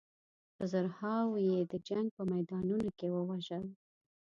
په زرهاوو یې د جنګ په میدانونو کې ووژل.